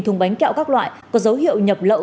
thùng bánh kẹo các loại có dấu hiệu nhập lậu